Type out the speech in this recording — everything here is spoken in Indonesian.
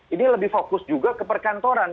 ini lebih fokus juga ke perkantoran